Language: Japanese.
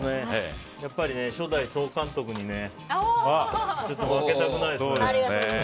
やっぱり初代総監督に負けたくないですね。